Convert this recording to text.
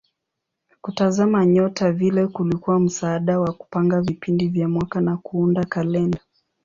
Kutazama nyota vile kulikuwa msaada wa kupanga vipindi vya mwaka na kuunda kalenda.